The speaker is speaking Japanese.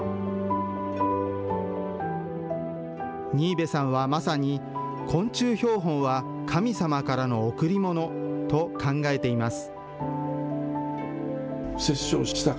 新部さんはまさに昆虫標本は神様からの贈り物と考えています。